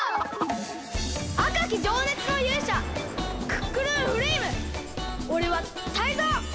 あかきじょうねつのゆうしゃクックルンフレイムおれはタイゾウ！